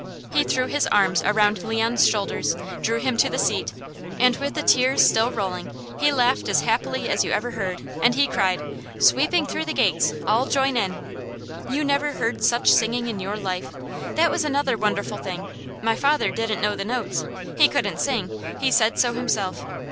He threw his arms around Leon's shoulders, drew him to the seat, and with the tears still rolling, he laughed as happily as you ever heard, and he cried: "'Sweeping through the Gates!' All join in!" You never heard such singing in your life. That was another wonderful thing. My father didn't know the notes. He couldn't sing; he said so himself.